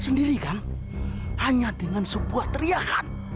sendirikan hanya dengan sebuah teriakan